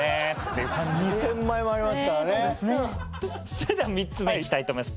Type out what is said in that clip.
それでは３つ目いきたいと思います。